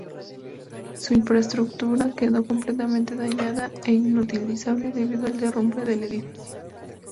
Su infraestructura quedó completamente dañada e inutilizable debido al derrumbe del edificio.